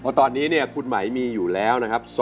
เพราะตอนนี้เนี่ยคุณไหมมีอยู่แล้วนะครับ